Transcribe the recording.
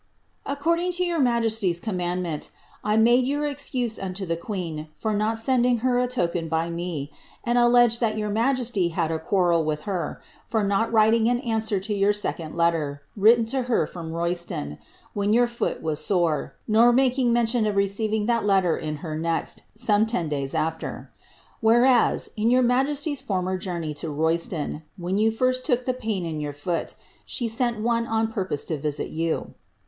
According to your majesty's commandment, I made your excuse unto the quaen for not sending her a token by me, and alleged that your majesty had a quarrel with her for not writing an answer to your second letter, written to her from Royston, when your foot was sore, nor making mention of receiving that latter in her next, some ten days after ; whereas, in your migosty's former journey to Royston, when you first took the pain in your feet, she sent one on purpose to Tisit you.